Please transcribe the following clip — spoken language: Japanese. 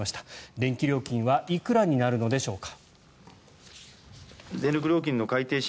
電気料金はいくらになるのでしょうか。